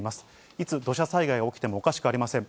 いつ土砂災害が起きてもおかしくありません。